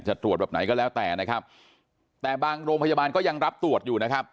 ตรวจแบบไหนก็แล้วแต่นะครับแต่บางโรงพยาบาลก็ยังรับตรวจอยู่นะครับ